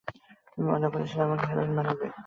তুমি ওয়াদা করেছিলে আমাকে হিরোইন বানাবে।